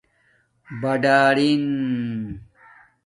بڑرنݣ